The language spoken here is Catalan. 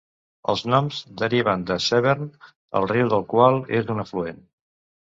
Els noms deriven de Severn, el riu del qual és un afluent.